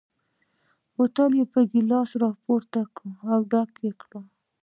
بوتل یې پر ګیلاس را پورته کړ او ډک یې کړ.